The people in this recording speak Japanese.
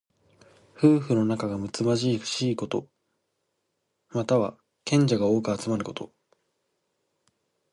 夫婦の仲がむつまじいこと。または、賢者が多く集まること。